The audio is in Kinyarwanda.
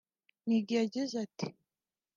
Miggy yagize ati